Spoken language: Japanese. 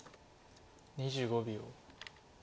２５秒。